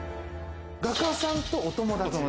画家さんとお友達。